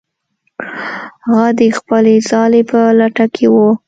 هغه د خپلې ځالې په لټه کې و.